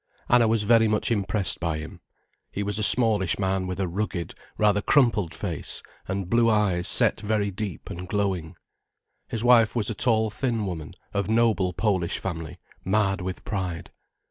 Anna was very much impressed by him. He was a smallish man with a rugged, rather crumpled face and blue eyes set very deep and glowing. His wife was a tall thin woman, of noble Polish family, mad with pride.